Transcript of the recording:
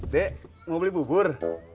be mau beli bubur